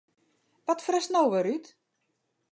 Wat fretst no wer út?